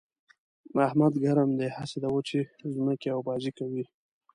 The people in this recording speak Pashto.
احمد ګرم دی؛ هسې د وچې ځمکې اوبازي کوي.